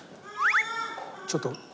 ちょっと。